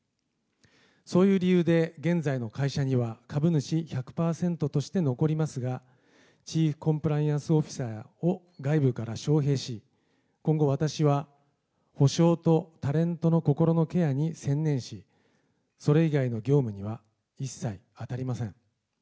そういう理由で現在の会社には株主１００％として残りますが、チーフコンプライアンスオフィサーを外部から招へいし、今後、私は補償とタレントの心のケアに専念し、それ以外の業務には一切あたりません。